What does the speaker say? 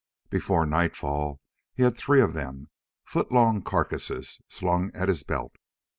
Before nightfall he had three of them foot long carcasses slung at his belt.